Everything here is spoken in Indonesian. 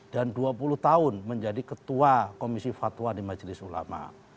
dan dua puluh tahun menjadi ketua komisi fatwa di majelis ulama